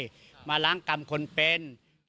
เพิ่มมาร้างกรรมคนเป็น